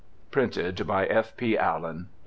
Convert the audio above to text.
Printed by F. P. Allen, 1833.